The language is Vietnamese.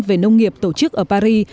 về nông nghiệp tổ chức ở paris